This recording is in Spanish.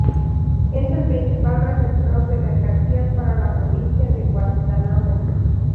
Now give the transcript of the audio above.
Es el principal receptor de mercancías para la provincia de Guantánamo.